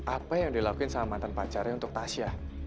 apa yang dilakuin sama mantan pacarnya untuk tasya